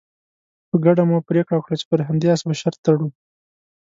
په ګډه مو پرېکړه وکړه چې پر همدې اس به شرط تړو.